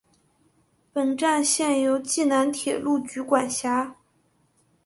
本站现由济南铁路局管辖。